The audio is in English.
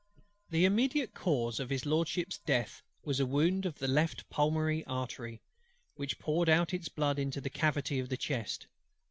The immediate cause of HIS LORDSHIP'S death was a wound of the left pulmonary artery, which poured out its blood into the cavity of the chest.